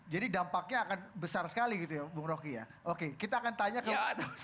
jadi dampaknya akan besar sekali gitu ya bung rocky ya oke kita akan tanya ke